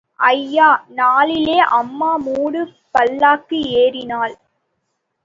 ஐயா நாளிலே அம்மா மூடு பல்லக்கு ஏறினாள்.